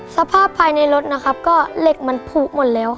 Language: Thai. สภาพภายในรถนะครับก็เหล็กมันผูกหมดแล้วค่ะ